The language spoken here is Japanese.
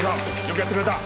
よくやってくれた。